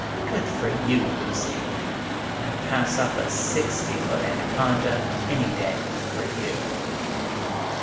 (Good for you, Lucy! I'd pass up a sixty foot anaconda, any day, for you.)